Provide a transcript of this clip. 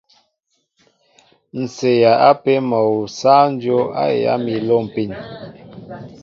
Ǹ seeya ápē mol awu sááŋ dyóp a heyá mi a lômpin.